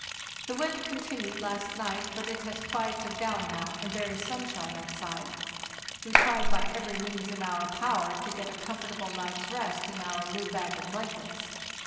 The wind continued last night, but it has quieted down now, and there is sunshine outside. We try by every means in our power to get a com fortable night's rest in our new bag of blankets.